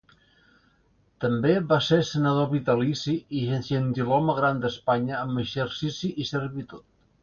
També va ser Senador vitalici i Gentilhome Gran d'Espanya amb exercici i servitud.